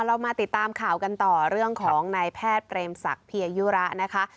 เรามาติดตามข่าวกันต่อเรื่องของนายแพทย์เปรมศักดิ์เพียยุระนะคะ